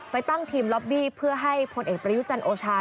ไปตั้งทีมล็อบบี้เพื่อให้พลเอกประยุจันทร์โอชา